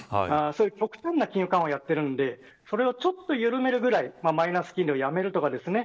極端な金融緩和をやっているのでそれをちょっと緩めるくらいマイナス金利をやめるとかですね